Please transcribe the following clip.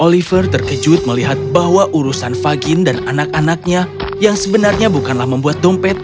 oliver terkejut melihat bahwa urusan fagin dan anak anaknya yang sebenarnya bukanlah membuat dompet